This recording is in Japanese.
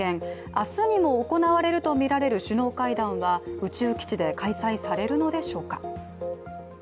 明日にも行われるとみられる首脳会談は宇宙基地で開催されるのでしょうか。